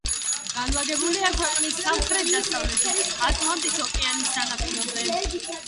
განლაგებულია ქვეყნის სამხრეთ-დასავლეთით, ატლანტის ოკეანის სანაპიროზე.